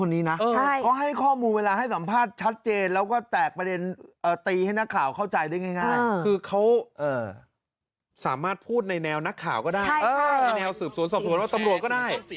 ในแนวหนักข่าวก็ได้แนวสูบศาลวัฒนาประถมรวจก็ได้